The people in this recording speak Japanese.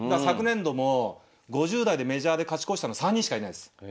昨年度も５０代でメジャーで勝ち越したの３人しかいないんです。